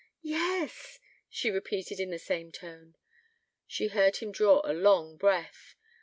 'Yes,' she repeated, in the same tone. She heard him draw a long breath.